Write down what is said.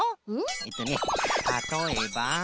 えっとねたとえば。